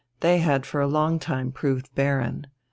They had for a long time proved barren.